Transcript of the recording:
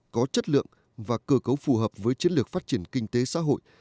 có chất lượng và cơ cấu phù hợp với chiến lược phát triển kinh tế xã hội